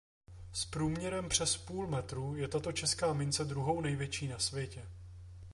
S průměrem přes půl metru je tato česká mince druhou největší na světě.